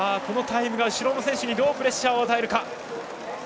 このタイムが後ろの選手にどうプレッシャーを与えるか。